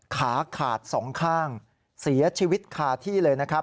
ขาขาดสองข้างเสียชีวิตคาที่เลยนะครับ